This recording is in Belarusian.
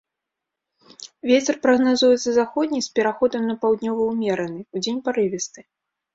Вецер прагназуецца заходні з пераходам на паўднёвы ўмераны, удзень парывісты.